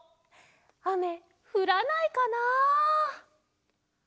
あめふらないかなあ？